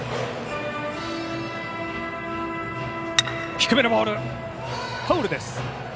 低めのボール、ファウルです。